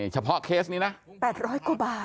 เฉพาะเคสนี้นะ๘๐๐กว่าบาท